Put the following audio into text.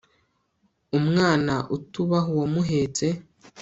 umwana utubaha uwamuhetse